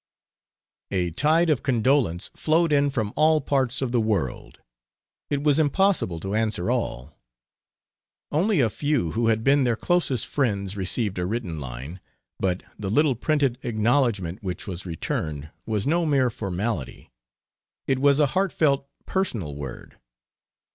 A tide of condolence flowed in from all parts of the world. It was impossible to answer all. Only a few who had been their closest friends received a written line, but the little printed acknowledgment which was returned was no mere formality. It was a heartfelt, personal word.